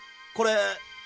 これ。